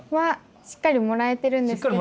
しっかりもらえてるんですけど。